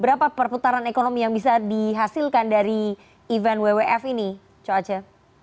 apa perputaran ekonomi yang bisa dihasilkan dari event wwf ini coace